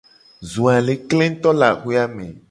Zo a le kle nguto le xo a me.